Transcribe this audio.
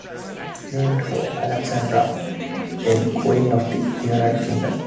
Named for Alexandra, then Queen of the United Kingdom.